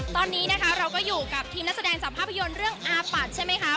ตอนนี้นะคะเราก็อยู่กับทีมนักแสดงจากภาพยนตร์เรื่องอาปัดใช่ไหมคะ